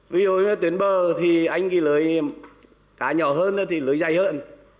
ví dụ như tuyến bờ thì anh ghi lưới cá nhỏ hơn thì lưới dày hơn